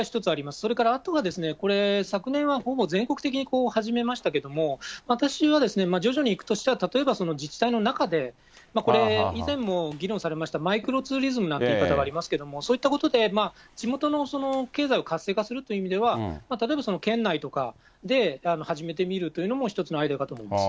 それからあとは、これ、昨年はほぼ全国的に始めましたけれども、私は徐々にいくとしたら例えば自治体の中で、これ、以前も議論されましたマイクロツーリズムなんて言い方がありますけども、そういったことで地元の経済を活性化するという意味では、例えば県内とかで始めてみるというのも、一つのアイデアかと思います。